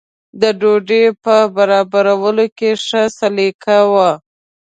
د ډوډۍ په برابرولو کې ښه سلیقه وه.